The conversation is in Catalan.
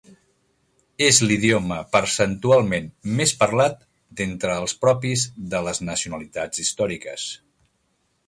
És l'idioma percentualment més parlat d'entre els propis de les nacionalitats històriques.